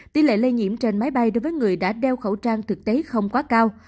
tỷ lệ lây nhiễm trên máy bay đối với người đã đeo khẩu trang thực tế không quá cao